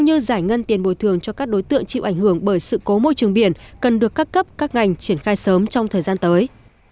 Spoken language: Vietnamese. tuy nhiên nếu không sớm được nhận tiền bồi thường cho các đối tượng chịu ảnh hưởng bởi sự cố môi trường biển cần được cắt cấp các ngành triển khai sớm trong thời gian tới